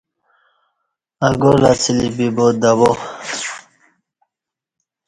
اگل اڅلی بیبا دوا